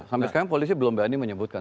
sampai sekarang polisi belum berani menyebutkan